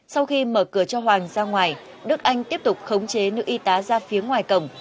sau khi mở cửa cho hoàng ra ngoài đức anh tiếp tục khống chế nữ y tá ra phía ngoài cổng